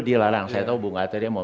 dilarang saya tahu bu ngata dia mau